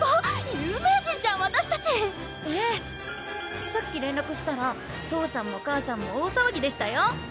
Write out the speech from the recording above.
有名人じゃんわたしたちええさっき連絡したら父さんも母さんも大さわぎでしたよ